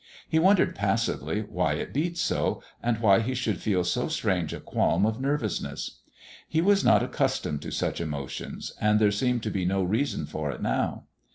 He wondered, passively, why it beat so, and why he should feel so strange a qualm of nervousness. He was not accustomed to such emotions, and there seemed to be no reason for it now.